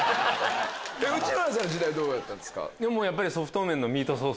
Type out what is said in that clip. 内村さんの時代どうやったんですか？